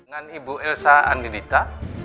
dengan ibu ilsa andilita